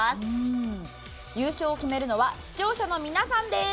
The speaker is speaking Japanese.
優勝を決めるのは視聴者の皆さんです。